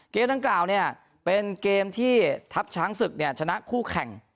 ดังกล่าวเนี่ยเป็นเกมที่ทัพช้างศึกชนะคู่แข่ง